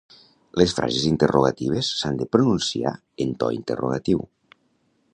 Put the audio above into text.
Les frases interrogatives s'han de pronunciar en to interrogatiu.